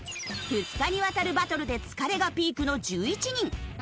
２日にわたるバトルで疲れがピークの１１人。